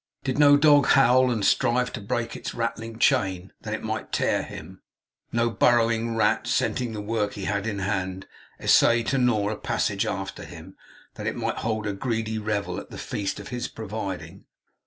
Did no dog howl, and strive to break its rattling chain, that it might tear him; no burrowing rat, scenting the work he had in hand, essay to gnaw a passage after him, that it might hold a greedy revel at the feast of his providing?